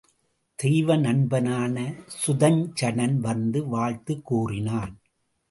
தெய்வ நண்பனான சுதஞ்சணன் வந்து வாழ்த்துக் கூறினான்.